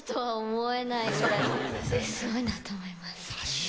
すごいなと思います。